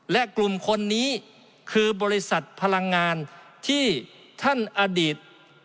และกลุ่มคนนี้คือบริษัทพลังงานที่ท่านอดีต